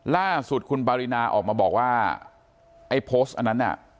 ล่าสุดคุณปารินาออกมาบอกว่าไอ้โพสต์อันนั้นน่ะ